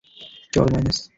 চল, মাইনাস।